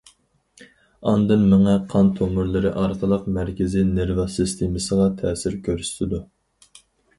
ئاندىن مېڭە قان تومۇرلىرى ئارقىلىق مەركىزىي نېرۋا سىستېمىسىغا تەسىر كۆرسىتىدۇ.